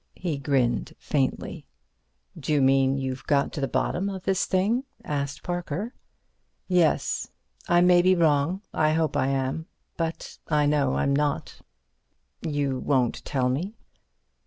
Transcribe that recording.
He grinned faintly. "D'you mean you've got to the bottom of this thing?" asked Parker. "Yes. I may be wrong. I hope I am, but I know I'm not." "You won't tell me?"